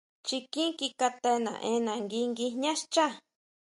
Chikín ki kate naʼena ngui nguijñá xchá.